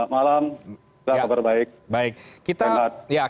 malam selamat malam baik